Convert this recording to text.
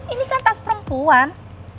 ini kan tas perempuan